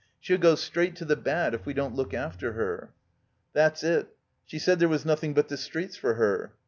She'll go straight to the bad if we don't look after her." "That's it. She said there was nothing but the streets for her."